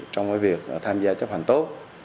trong việc tham gia chấp hành tốt